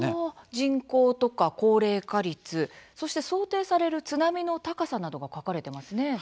人口ですとか高齢化率そして想定される津波の高さなどが書かれていますね。